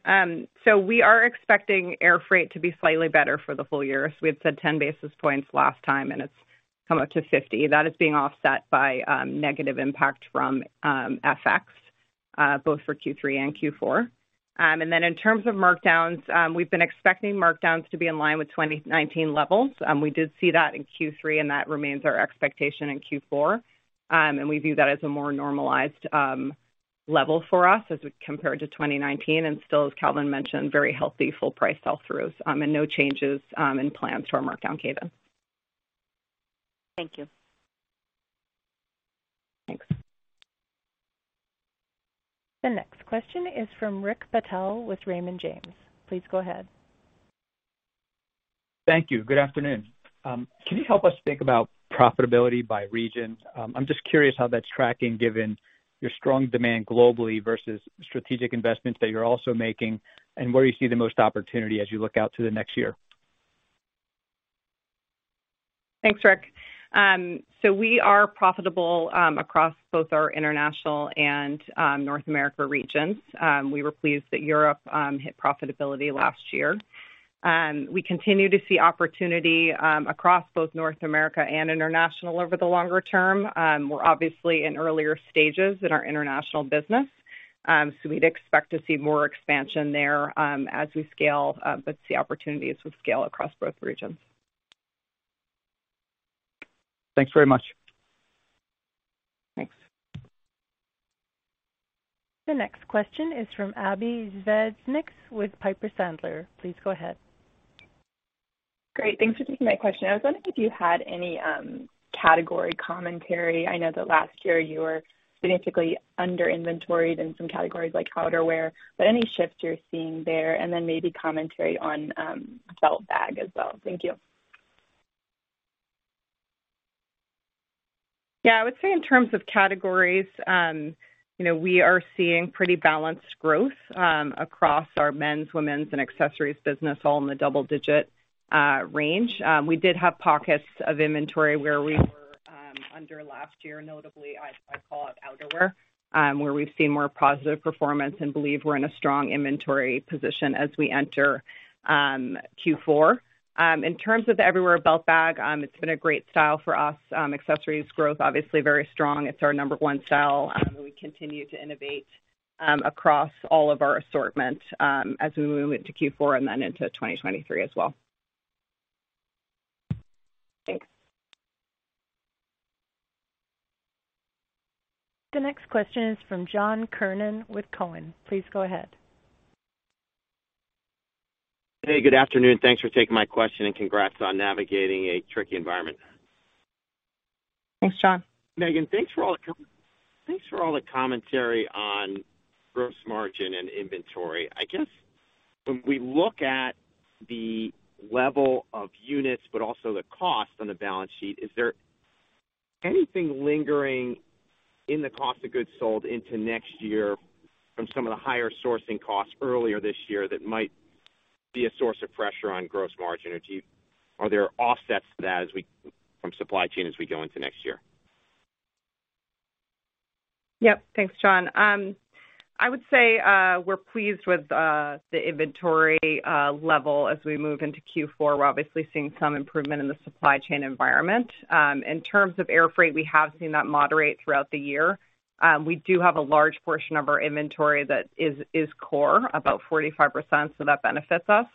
We are expecting air freight to be slightly better for the full year. We had said 10 basis points last time, and it's come up to 50. That is being offset by negative impact from FX. Both for Q3 and Q4. In terms of markdowns, we've been expecting markdowns to be in line with 2019 levels. We did see that in Q3, and that remains our expectation in Q4. We view that as a more normalized level for us as we compare to 2019, and still, as Calvin mentioned, very healthy full price sell-throughs, and no changes in plans for our markdown cadence. Thank you. Thanks. The next question is from Rick Patel with Raymond James. Please go ahead. Thank you. Good afternoon. Can you help us think about profitability by region? I'm just curious how that's tracking, given your strong demand globally versus strategic investments that you're also making and where you see the most opportunity as you look out to the next year. Thanks, Rick. We are profitable across both our international and North America regions. We were pleased that Europe hit profitability last year. We continue to see opportunity across both North America and international over the longer term. We're obviously in earlier stages in our international business. We'd expect to see more expansion there, as we scale, but see opportunities with scale across both regions. Thanks very much. Thanks. The next question is from Abbie Zvejnieks with Piper Sandler. Please go ahead. Great. Thanks for taking my question. I was wondering if you had any category commentary. I know that last year you were significantly under inventoried in some categories like outerwear, but any shifts you're seeing there, and then maybe commentary on belt bag as well. Thank you. I would say in terms of categories, you know, we are seeing pretty balanced growth across our men's, women's, and accessories business, all in the double-digit range. We did have pockets of inventory where we were under last year, notably, I call out outerwear, where we've seen more positive performance and believe we're in a strong inventory position as we enter Q4. In terms of the Everywhere Belt Bag, it's been a great style for us. Accessories growth obviously very strong. It's our number one style, and we continue to innovate across all of our assortment as we move into Q4 and then into 2023 as well. Thanks. The next question is from John Kernan with Cowen. Please go ahead. Hey, good afternoon. Thanks for taking my question, and congrats on navigating a tricky environment. Thanks, John. Meghan, thanks for all the commentary on gross margin and inventory. I guess when we look at the level of units but also the cost on the balance sheet, is there anything lingering in the cost of goods sold into next year from some of the higher sourcing costs earlier this year that might be a source of pressure on gross margin? Are there offsets to that as we, from supply chain as we go into next year? Yep. Thanks, John. I would say, we're pleased with the inventory level as we move into Q4. We're obviously seeing some improvement in the supply chain environment. In terms of air freight, we have seen that moderate throughout the year. We do have a large portion of our inventory that is core, about 45%, so that benefits us.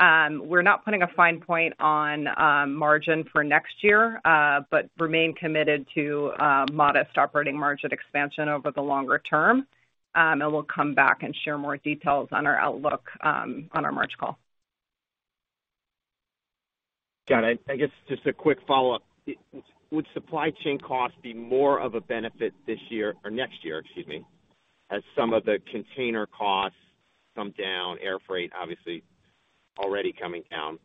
We're not putting a fine point on margin for next year, but remain committed to modest operating margin expansion over the longer term. We'll come back and share more details on our outlook on our March call. Got it. I guess just a quick follow-up. Would supply chain costs be more of a benefit this year or next year, excuse me, as some of the container costs come down, air freight obviously already coming down?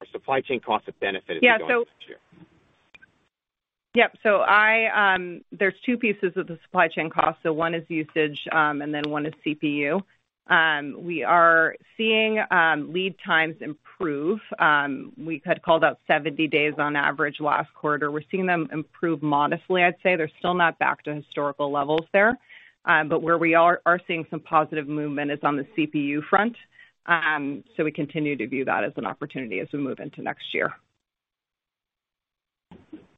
Are supply chain costs a benefit as we go into next year? Yep. There's two pieces of the supply chain cost. One is usage, and then one is CPU. We are seeing lead times improve. We had called out 70 days on average last quarter. We're seeing them improve modestly, I'd say. They're still not back to historical levels there. Where we are seeing some positive movement is on the CPU front. We continue to view that as an opportunity as we move into next year.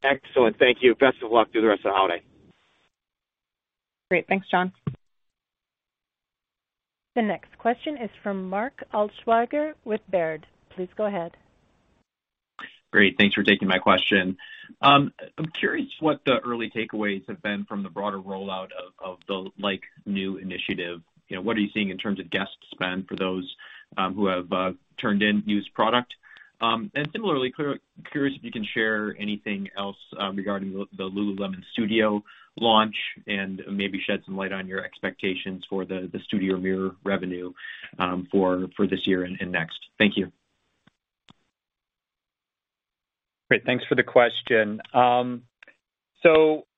Excellent. Thank you. Best of luck through the rest of the holiday. Great. Thanks, John. The next question is from Mark Altschwager with Baird. Please go ahead. Great. Thanks for taking my question. I'm curious what the early takeaways have been from the broader rollout of the Like New initiative. You know, what are you seeing in terms of guest spend for those who have turned in used product? Similarly, curious if you can share anything else regarding the lululemon Studio launch and maybe shed some light on your expectations for the Studio Mirror revenue for this year and next. Thank you. Great. Thanks for the question.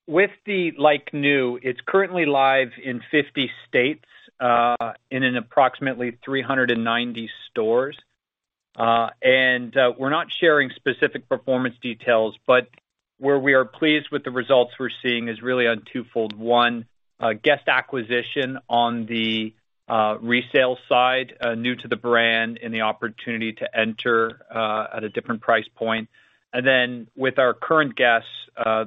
With the Like New, it's currently live in 50 states and in approximately 390 stores. We're not sharing specific performance details, but where we are pleased with the results we're seeing is really on twofold. One, guest acquisition on the resale side, new to the brand and the opportunity to enter at a different price point. With our current guests,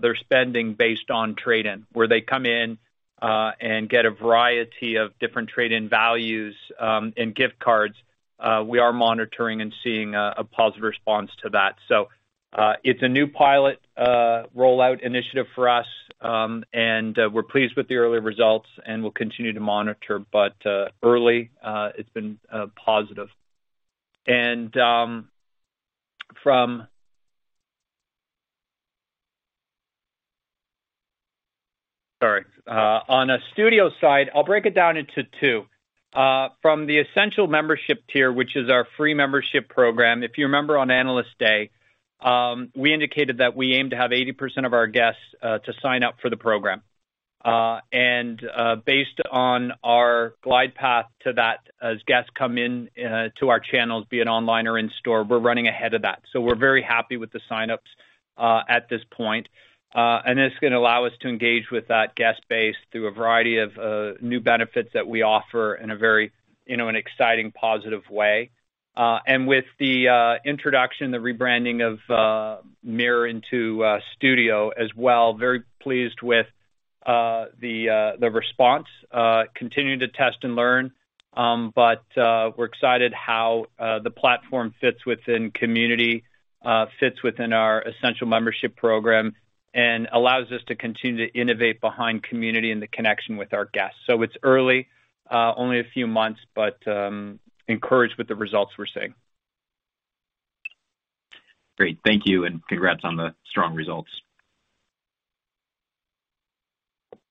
their spending based on trade-in, where they come in and get a variety of different trade-in values and gift cards. We are monitoring and seeing a positive response to that. It's a new pilot rollout initiative for us, we're pleased with the early results and we'll continue to monitor. Early, it's been positive. From... Sorry. On a Studio side, I'll break it down into two. From the Essential membership tier, which is our free membership program, if you remember on Analyst Day, we indicated that we aim to have 80% of our guests to sign up for the program. Based on our glide path to that, as guests come in to our channels, be it online or in store, we're running ahead of that. We're very happy with the sign-ups at this point. It's gonna allow us to engage with that guest base through a variety of new benefits that we offer in a very, you know, an exciting, positive way. With the introduction, the rebranding of MIRROR into Studio as well, very pleased with the response. Continuing to test and learn. We're excited how the platform fits within community, fits within our Essential membership program, and allows us to continue to innovate behind community and the connection with our guests. It's early, only a few months, but encouraged with the results we're seeing. Great. Thank you, and congrats on the strong results.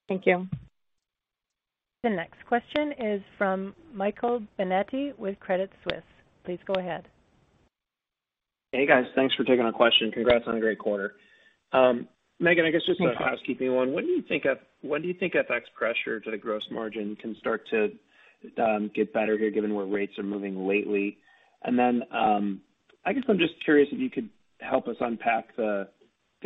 Thank you. The next question is from Michael Binetti with Credit Suisse. Please go ahead. Hey, guys. Thanks for taking my question. Congrats on a great quarter. Meghan, I guess just a housekeeping one. When do you think FX pressure to the gross margin can start to get better here given where rates are moving lately? I guess I'm just curious if you could help us unpack the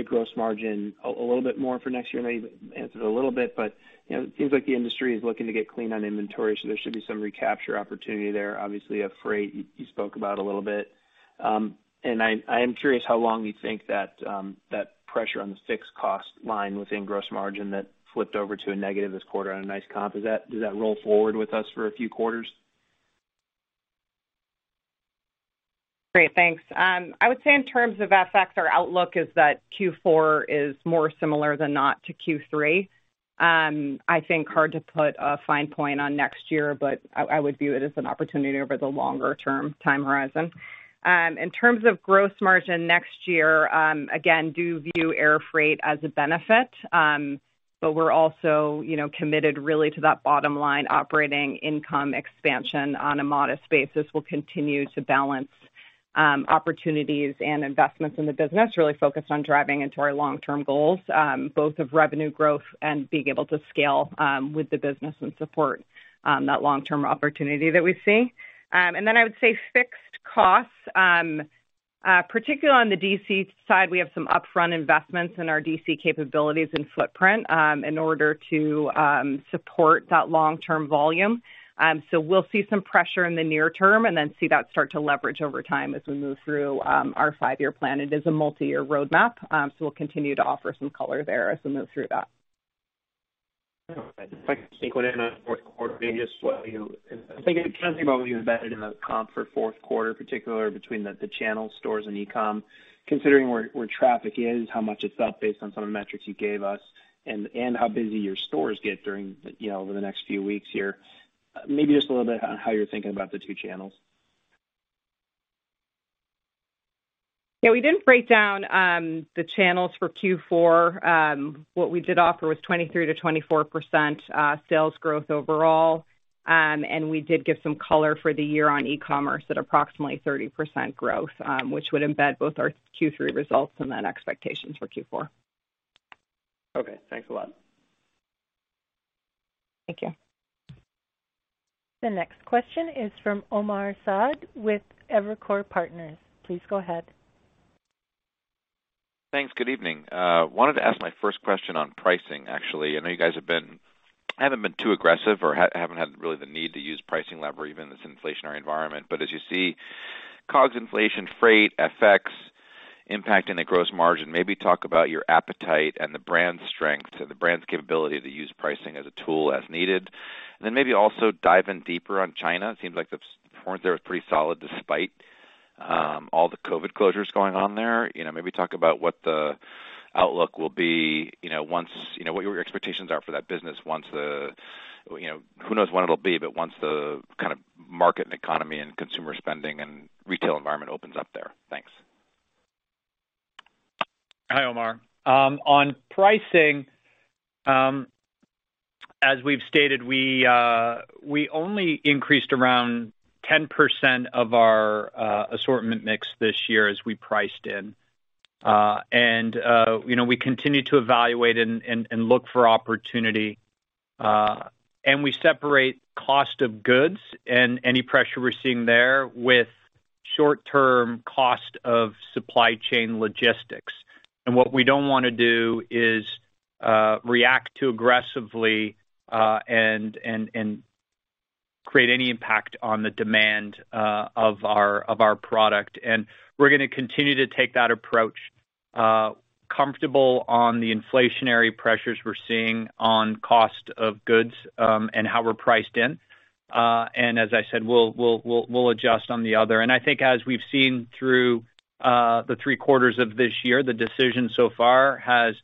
gross margin a little bit more for next year. I know you've answered a little bit, but, you know, it seems like the industry is looking to get clean on inventory, so there should be some recapture opportunity there. Obviously, a freight you spoke about a little bit. I am curious how long you think that pressure on the fixed cost line within gross margin that flipped over to a negative this quarter on a nice comp, does that roll forward with us for a few quarters? Great, thanks. I would say in terms of FX, our outlook is that Q4 is more similar than not to Q3. I think hard to put a fine point on next year, but I would view it as an opportunity over the longer term time horizon. In terms of gross margin next year, again, do view air freight as a benefit. We're also, you know, committed really to that bottom line operating income expansion on a modest basis. We'll continue to balance opportunities and investments in the business, really focused on driving into our long-term goals, both of revenue growth and being able to scale with the business and support that long-term opportunity that we see. I would say fixed costs, particularly on the DC side, we have some upfront investments in our DC capabilities and footprint in order to support that long-term volume. So we'll see some pressure in the near term and then see that start to leverage over time as we move through our five-year plan. It is a multi-year roadmap, so we'll continue to offer some color there as we move through that. All right. If I can sneak one in on fourth quarter, maybe just what, you know, I'm thinking, can you think about what you embedded in the comp for fourth quarter, particular between the channel stores and e-com? Considering where traffic is, how much it's up based on some of the metrics you gave us, and how busy your stores get during, you know, over the next few weeks here, maybe just a little bit on how you're thinking about the two channels? Yeah, we didn't break down the channels for Q4. What we did offer was 23%-24% sales growth overall. We did give some color for the year on e-commerce at approximately 30% growth, which would embed both our Q3 results and expectations for Q4. Okay, thanks a lot. Thank you. The next question is from Omar Saad with Evercore Partners. Please go ahead. Thanks. Good evening. Wanted to ask my first question on pricing, actually. I know you guys haven't been too aggressive or haven't had really the need to use pricing lever even in this inflationary environment. As you see COGS inflation, freight, FX impacting the gross margin, maybe talk about your appetite and the brand strength, the brand's capability to use pricing as a tool as needed. Maybe also dive in deeper on China. It seems like the performance there is pretty solid despite all the COVID closures going on there. You know, maybe talk about what the outlook will be, what your expectations are for that business once the, you know, who knows when it'll be, but once the kind of market and economy and consumer spending and retail environment opens up there? Thanks. Hi, Omar. On pricing, as we've stated, we only increased around 10% of our assortment mix this year as we priced in. And, you know, we continue to evaluate and look for opportunity. And we separate cost of goods and any pressure we're seeing there with short-term cost of supply chain logistics. And what we don't want to do is react too aggressively and create any impact on the demand of our product. And we're going to continue to take that approach. Comfortable on the inflationary pressures we're seeing on cost of goods and how we're priced in. And as I said, we'll adjust on the other. I think as we've seen through the three quarters of this year, the decision so far has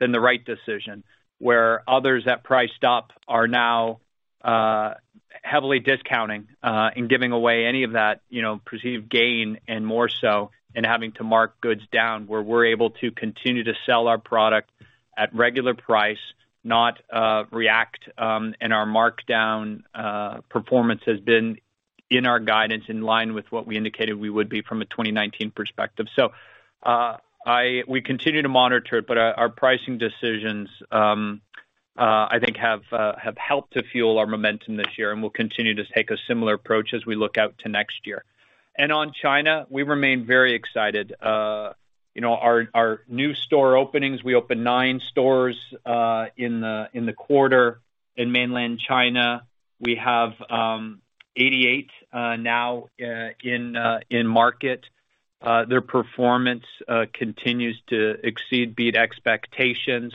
been the right decision, where others that priced up are now heavily discounting and giving away any of that, you know, perceived gain and more so, and having to mark goods down, where we're able to continue to sell our product at regular price, not react, and our markdown performance has been in our guidance in line with what we indicated we would be from a 2019 perspective. We continue to monitor it, but our pricing decisions, I think have helped to fuel our momentum this year, and we'll continue to take a similar approach as we look out to next year. On China, we remain very excited. You know, our new store openings, we opened nine stores in the quarter in Mainland China. We have 88 now in market. Their performance continues to beat expectations.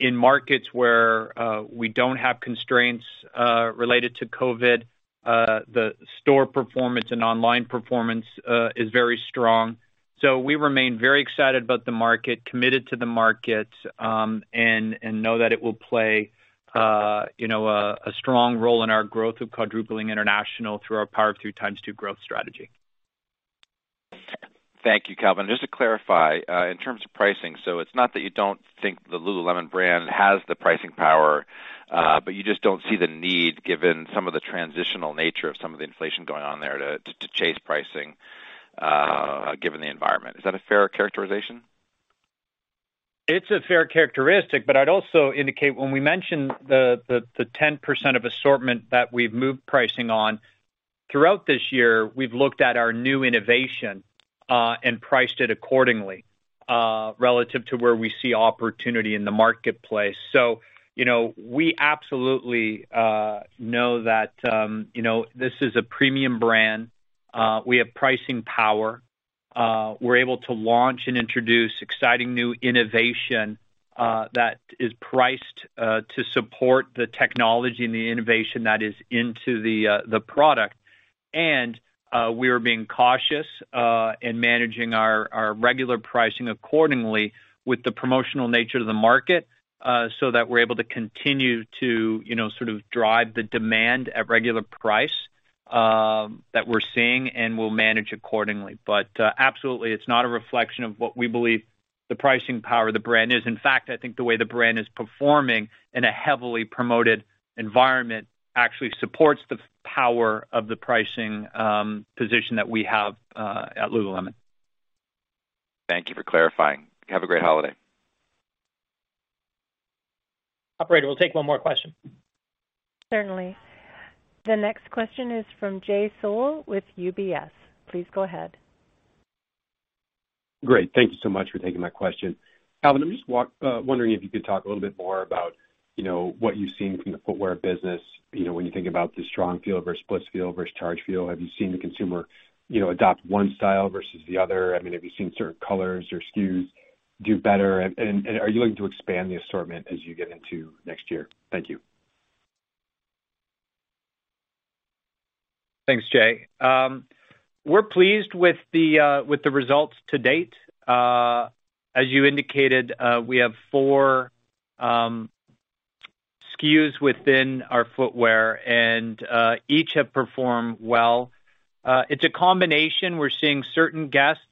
In markets where we don't have constraints related to COVID, the store performance and online performance is very strong. We remain very excited about the market, committed to the market, and know that it will play, you know, a strong role in our growth of quadrupling international through our Power of Three x2 growth strategy. Thank you, Calvin. Just to clarify, in terms of pricing, it's not that you don't think the Lululemon brand has the pricing power, but you just don't see the need, given some of the transitional nature of some of the inflation going on there to chase pricing, given the environment. Is that a fair characterization? It's a fair characteristic. I'd also indicate when we mention the 10% of assortment that we've moved pricing on, throughout this year, we've looked at our new innovation and priced it accordingly relative to where we see opportunity in the marketplace. You know, we absolutely know that, you know, this is a premium brand. We have pricing power. We're able to launch and introduce exciting new innovation that is priced to support the technology and the innovation that is into the product. We are being cautious in managing our regular pricing accordingly with the promotional nature of the market so that we're able to continue to, you know, sort of drive the demand at regular price that we're seeing and we'll manage accordingly. Absolutely, it's not a reflection of what we believe the pricing power of the brand is. In fact, I think the way the brand is performing in a heavily promoted environment actually supports the power of the pricing position that we have at Lululemon. Thank you for clarifying. Have a great holiday. Operator, we'll take one more question. Certainly. The next question is from Jay Sole with UBS. Please go ahead. Great. Thank you so much for taking my question. Calvin, I'm just wondering if you could talk a little bit more about, you know, what you've seen from the footwear business, you know, when you think about the Strongfeel versus Blissfeel versus Chargefeel. Have you seen the consumer, you know, adopt one style versus the other? I mean, have you seen certain colors or SKUs do better? Are you looking to expand the assortment as you get into next year? Thank you. Thanks, Jay. We're pleased with the results to date. As you indicated, we have four SKUs within our footwear, and each have performed well. It's a combination. We're seeing certain guests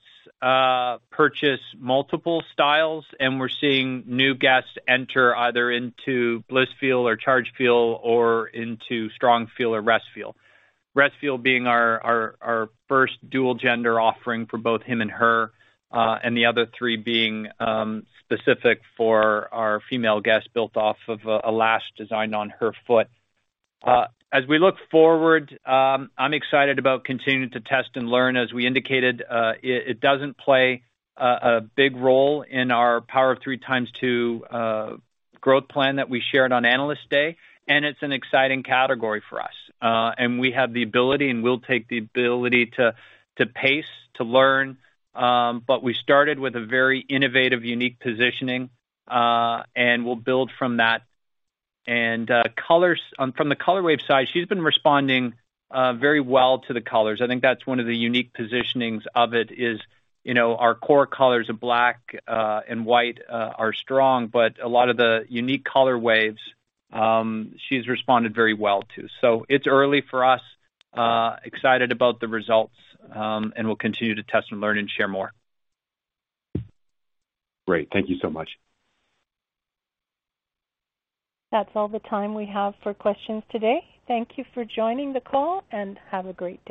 purchase multiple styles, and we're seeing new guests enter either into Blissfeel or Chargefeel or into Strongfeel or Restfeel. Restfeel being our first dual gender offering for both him and her, and the other three being specific for our female guests built off of a last design on her foot. As we look forward, I'm excited about continuing to test and learn. As we indicated, it doesn't play a big role in our Power of Three x2 growth plan that we shared on Analyst Day, and it's an exciting category for us. We have the ability and will take the ability to pace, to learn. We started with a very innovative, unique positioning, and we'll build from that. From the color wave side, she's been responding very well to the colors. I think that's one of the unique positionings of it is, you know, our core colors of black and white are strong, but a lot of the unique color waves, she's responded very well to. It's early for us. Excited about the results, and we'll continue to test and learn and share more. Great. Thank you so much. That's all the time we have for questions today. Thank you for joining the call, and have a great day.